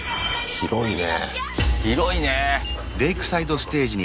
広いね。